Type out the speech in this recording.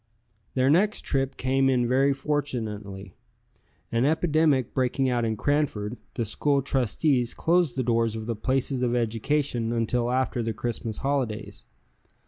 Their next trip came in very fortunately. An epidemic breaking out in Cranford, the school trustees closed the doors of the places of education until after the Christmas holidays.